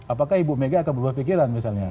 apakah ibu mega akan berpikiran misalnya